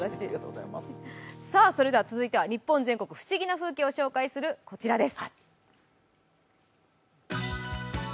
続いては日本全国不思議な風景を紹介するこちらです。